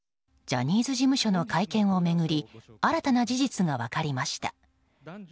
ジャニーズ事務所の会見を巡り新たな事実が分かりました。